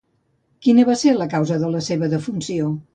Quina va ser la causa de la seva defunció?